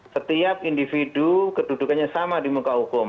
setiap individu kedudukannya sama di muka hukum